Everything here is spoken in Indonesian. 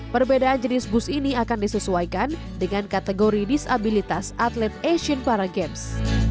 perbedaan jenis bus ini akan disesuaikan dengan kategori disabilitas atlet asian para games